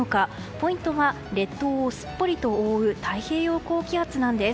ポイントが列島をすっぽりと覆う太平洋高気圧なんです。